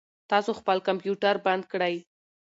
تاسو خپل کمپیوټر بند کړئ.